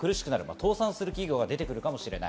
倒産する企業が出てくるかもしれない。